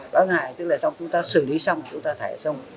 đó ngại tức là xong chúng ta xử lý xong chúng ta thải xong